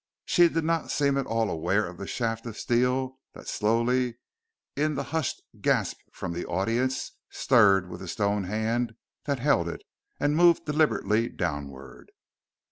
She did not seem at all aware of the shaft of steel that slowly, in the hushed gasp from the audience, stirred with the stone hand that held it and moved deliberately downward.